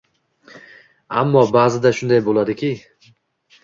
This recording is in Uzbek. Ammo, baʼzida shunday bo‘ladiki.